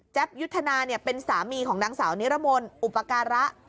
ยุทธนาเป็นสามีของนางสาวนิรมนต์อุปการะ